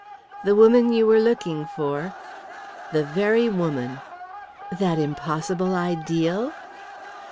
"'The woman you were looking for?' "'The very woman.' "'That impossible ideal?'